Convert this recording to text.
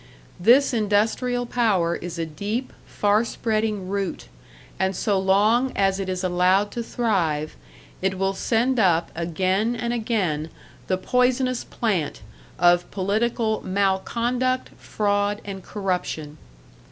This industrial power is a deep, far spreading root; and so long as it is allowed to thrive, it will send up again and again the poisonous plant of political "malconduct, fraud and corruption."